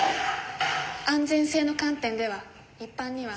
安全性の観点では一般には１２０度で」。